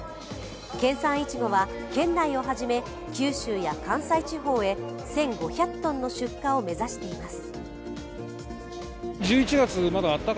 県産いちごは県内をはじめ九州や関西地方へ１５００ｔの出荷を目指しています。